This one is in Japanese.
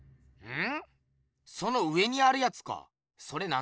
ん？